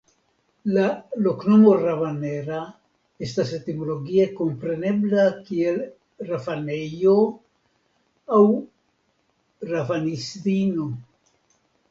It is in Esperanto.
La loknomo "Rabanera" estas etimologie komprenebla kiel "Rafanejo" aŭ "Rafanistino".